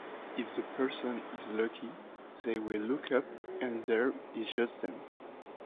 If the person is lucky, they will look up and there is just them.